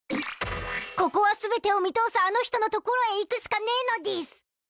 ここは全てを見通すあの人の所へ行くしかねいのでぃす。